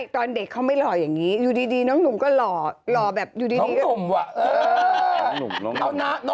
ตอนนั้นหลือขนาดไหนครับไม่หล่อ